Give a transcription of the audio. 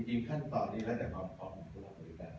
จริงขั้นตอนนี้แล้วจะความพร้อมกับคุณโรคบริการนะ